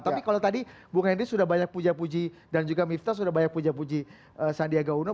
tapi kalau tadi bung henry sudah banyak puja puji dan juga miftah sudah banyak puja puji sandiaga uno